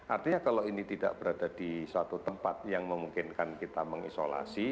artinya kalau ini tidak berada di suatu tempat yang memungkinkan kita mengisolasi